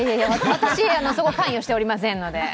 私そこ関与していませんので。